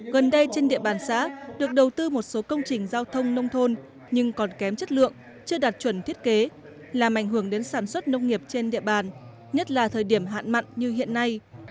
gần đây trên địa bàn xã được đầu tư một số công trình giao thông nông thôn nhưng còn kém chất lượng chưa đạt chuẩn thiết kế làm ảnh hưởng đến sản xuất nông nghiệp trên địa bàn nhất là thời điểm hạn mặn như hiện nay